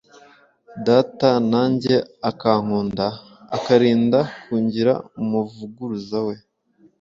data na njye akankunda, akarinda kungira umuvuguruza we,